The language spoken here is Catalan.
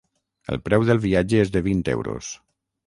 El preu del viatge és de vint euros.